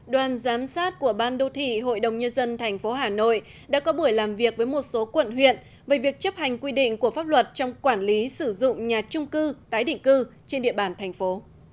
đoàn giám sát của ban đô thị hội đồng nhân dân tp hà nội đã có buổi làm việc với một số quận huyện về việc chấp hành quy định của pháp luật trong quản lý sử dụng nhà trung cư tái định cư trên địa bàn thành phố